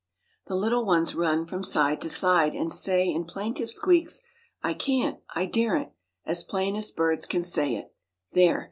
The little ones run from side to side, and say in plaintive squeaks, "I can't," "I daren't," as plain as birds can say it. There!